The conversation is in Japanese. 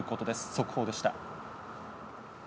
速報でした。